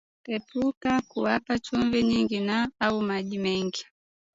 Epuka kuwapa chumvi nyingi na au maji mengi